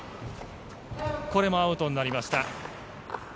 これもアウトになりました。